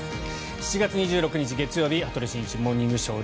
７月２６日、月曜日「羽鳥慎一モーニングショー」。